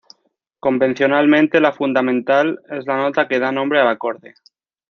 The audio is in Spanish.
Convencionalmente la fundamental es la nota que da nombre al acorde.